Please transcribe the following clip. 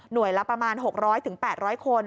หน่วยละประมาณ๖๐๐ถึง๘๐๐คน